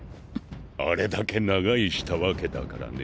あれだけ長居したわけだからね。